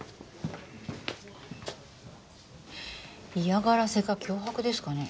嫌がらせか脅迫ですかね？